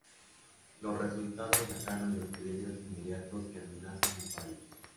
Los resultados destacaron los peligros inmediatos que amenazan al país.